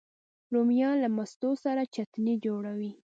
رومیان له مستو سره چټني جوړوي